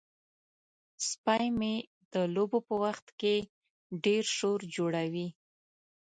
سپی مې د لوبو په وخت کې ډیر شور جوړوي.